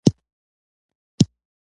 هغې غوښتل چې هغه يې غږ و ازمايي.